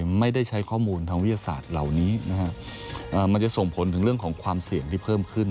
ไม่ได้ใช้ข้อมูลทางวิทยาศาสตร์เหล่านี้นะฮะมันจะส่งผลถึงเรื่องของความเสี่ยงที่เพิ่มขึ้น